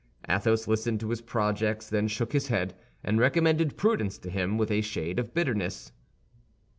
Athos listened to his projects, then shook his head, and recommended prudence to him with a shade of bitterness.